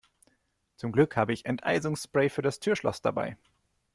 Zum Glück habe ich Enteisungsspray für das Türschloss dabei.